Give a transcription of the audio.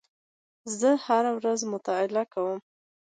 زه هره ورځ مطالعه کوم.